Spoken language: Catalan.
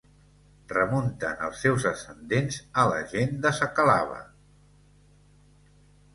Remunten els seus ascendents a la gent de sakalava.